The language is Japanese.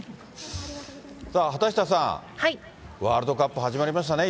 畑下さん、ワールドカップ始まりましたね、